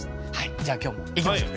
じゃあ今日も行きましょう。